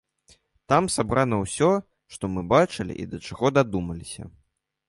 Там сабрана ўсё, што мы бачылі, і да чаго дадумаліся.